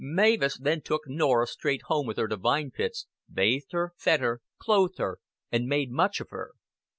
Mavis then took Norah straight home with her to Vine Pits, bathed her, fed her, clothed her, and made much of her.